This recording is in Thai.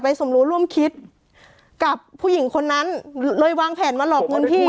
สมรู้ร่วมคิดกับผู้หญิงคนนั้นเลยวางแผนมาหลอกเงินพี่